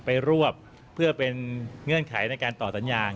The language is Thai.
ไปรวบเพื่อเป็นเงื่อนไขในการต่อสัญญา